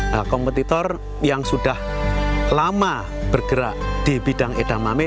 nah kompetitor yang sudah lama bergerak di bidang edamame